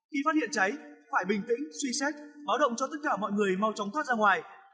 khi phát hiện cháy phải bình tĩnh suy xét báo động cho tất cả mọi người mau chóng thoát ra ngoài